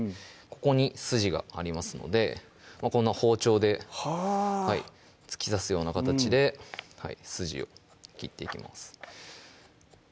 ここに筋がありますのでこんな包丁ではぁ突き刺すような形で筋を切っていきます